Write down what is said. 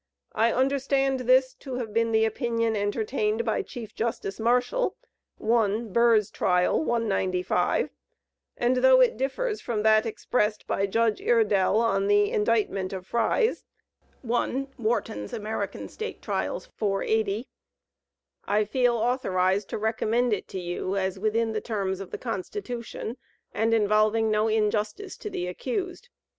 I understand this to have been the opinion entertained by Chief Justice Marshall, 1 Burr's Trial, 195, and though it differs from that expressed by Judge Iredell on the indictment of Fries, (1 Whart. Am. St. Tr. 480), I feel authorized to recommend it to you, as within the terms of the Constitution, and involving no injustice to the accused.